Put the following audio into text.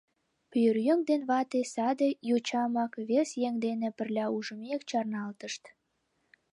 Пӧръеҥ ден вате, саде йочамак вес еҥ дене пырля ужмек, чарналтышт.